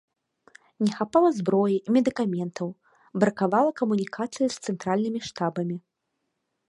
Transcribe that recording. Не хапала зброі і медыкаментаў, бракавала камунікацыі з цэнтральнымі штабамі.